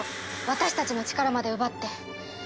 私たちの力まで奪って。